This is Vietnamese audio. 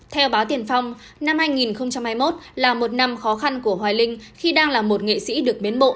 theo báo tiền phong năm hai nghìn hai mươi một là một năm khó khăn của hoài linh khi đang là một nghệ sĩ được biến bộ